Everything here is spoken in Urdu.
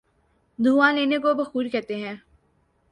دھواں لینے کو بخور کہتے ہیں۔